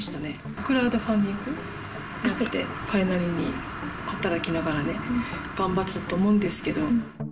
クラウドファンディングをやっていて、彼なりに働きながらね、頑張ってたと思うんですけど。